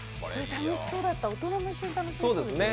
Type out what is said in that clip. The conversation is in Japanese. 楽しそうだった、大人も一緒に楽しめそうですね。